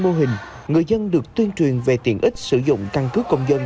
mô hình người dân được tuyên truyền về tiện ích sử dụng căn cứ công dân